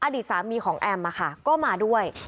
อดีตสามีของแอมก็มาด้วย